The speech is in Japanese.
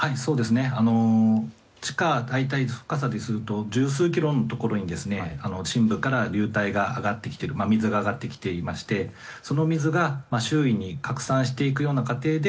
地下、大体深さにすると十数キロのところに深部から流体が上がってきている水が上がってきていましてその水が周囲に拡散していく過程で